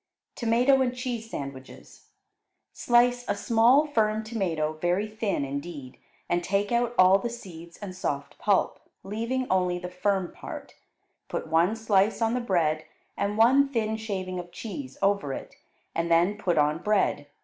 Tomato and Cheese Sandwiches Slice a small, firm tomato very thin indeed, and take out all the seeds and soft pulp, leaving only the firm part; put one slice on the bread, and one thin shaving of cheese over it, and then put on bread.